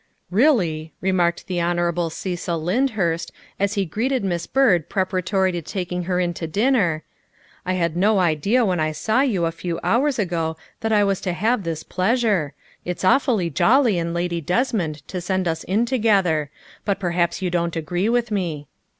" Really," remarked the Hon. Cecil Lyndhurst as he greeted Miss Byrd preparatory to taking her in to din ner, " I had no idea when I saw you a few hours ago that I was to have this pleasure. It's awfully jolly in Lady Desmond to send us in together but perhaps you don 't agree with me.